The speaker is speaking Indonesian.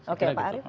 oke pak ari